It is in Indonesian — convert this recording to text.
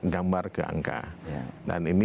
gambar ke angka dan ini